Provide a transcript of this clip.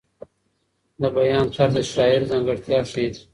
د بیان طرز د شاعر ځانګړتیا ښیي.